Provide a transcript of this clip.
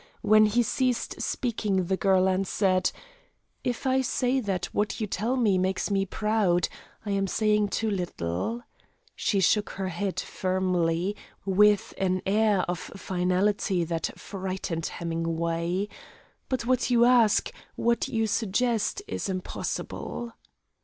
When he ceased speaking the girl answered: "If I say that what you tell me makes me proud, I am saying too little." She shook her head firmly, with an air of finality that frightened Hemingway. "But what you ask what you suggest is impossible."